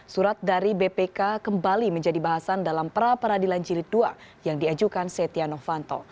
surat dari bpk kembali menjadi bahasan dalam pra peradilan jilid dua yang diajukan setia novanto